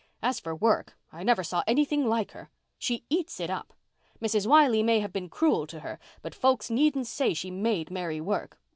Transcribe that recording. _ As for work, I never saw anything like her. She eats it up. Mrs. Wiley may have been cruel to her, but folks needn't say she made Mary work.